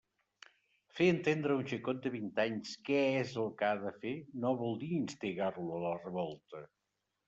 Fer entendre a un xicot de vint anys què és el que ha de fer no vol dir instigar-lo a la revolta!